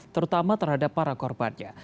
terutama terhadap para korbannya